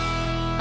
あ？